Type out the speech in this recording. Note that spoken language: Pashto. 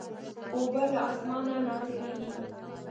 اوبه له اسمانه نازلېږي.